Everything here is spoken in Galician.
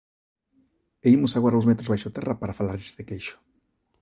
E imos agora uns metros baixo terra para falarlles de queixo.